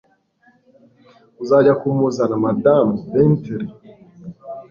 Uzajya kumuzana, Madamu Bentley?